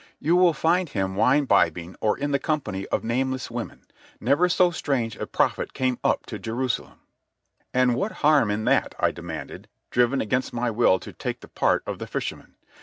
"You will find him wine bibbing or in the company of nameless women. Never so strange a prophet came up to Jerusalem." "And what harm in that?" I demanded, driven against my will to take the part of the fisherman.